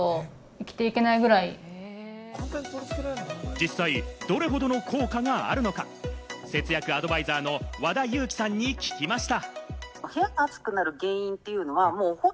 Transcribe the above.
実際どれほどの効果があるのか、節約アドバイザーの和田由貴さんに聞きました。